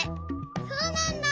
そうなんだ。